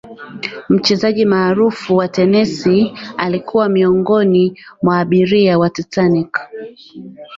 mchezaji maarufu wa tenisi alikuwa miongoni mwa abiria wa titanic